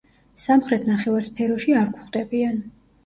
სამხრეთ ნახევარსფეროში არ გვხვდებიან.